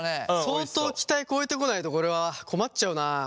相当期待超えてこないとこれは困っちゃうな。